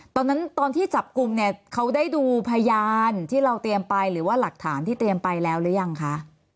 ตอนที่จับกลุ่มเนี่ยเขาได้ดูพยานที่เราเตรียมไปหรือว่าหลักฐานที่เตรียมไปแล้วหรือยังคะ